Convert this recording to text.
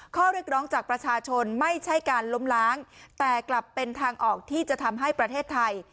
ข้อเรียกร้องจากประชาชนไม่ใช่การล้มล้างแต่กลับเป็นทางออกที่จะทำให้ประเทศไทย